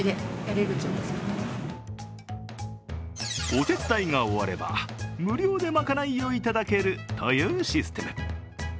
お手伝いが終われば、無料でまかないをいただけるというシステム。